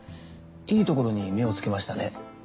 いいところに目をつけましたね。